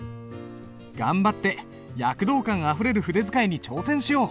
頑張って躍動感あふれる筆使いに挑戦しよう。